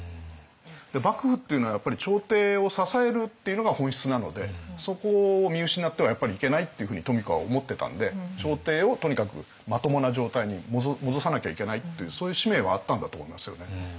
幕府っていうのはやっぱり朝廷を支えるっていうのが本質なのでそこを見失ってはやっぱりいけないっていうふうに富子は思ってたんで朝廷をとにかくまともな状態に戻さなきゃいけないっていうそういう使命はあったんだと思いますよね。